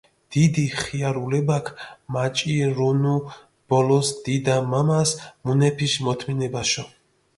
დიდი ხიარულებაქ მაჭირუნუ ბოლოს დიდა-მამასჷ მუნეფიში მოთმინებაშო.